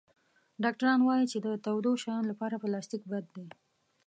ډاکټران وایي چې د تودو شیانو لپاره پلاستيک بد دی.